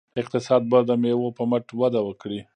اقتصاد به د میوو په مټ وده وکړي.